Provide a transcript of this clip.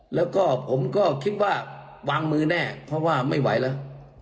แล้วก็ผมก็คิดว่าวางมือแน่เพราะว่าไม่ไหวแล้ว